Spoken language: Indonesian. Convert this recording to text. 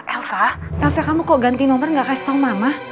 elsa kamu kok ganti nomor gak kasih tau mama